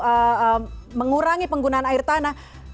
untuk mengurangi penggunaan air tanah